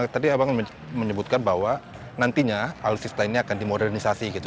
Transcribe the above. tadi abang menyebutkan bahwa nantinya alutsista ini akan dimodernisasi gitu